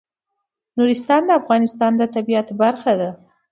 نورستان د افغانستان د طبیعت برخه ده.